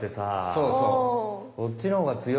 そうそう。